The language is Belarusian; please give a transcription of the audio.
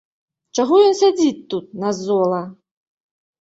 Чаго ён сядзіць тут, назола?